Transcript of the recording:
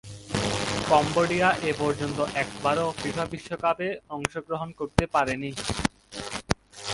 Cambodia এপর্যন্ত একবারও FIFA বিশ্বকাপে অংশগ্রহণ করতে পারেনি।